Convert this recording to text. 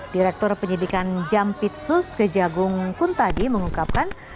direktur penyidikan jampitsus kejagung kuntadi mengungkapkan